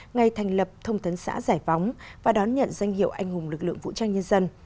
ngày thành lập thông tấn xã giải phóng và đón nhận danh hiệu anh hùng lực lượng vũ trang nhân dân